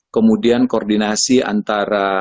kemudian koordinasi antara